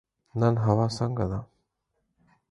نن هوا څنګه ده؟